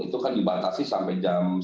itu kan dibatasi sampai jam sembilan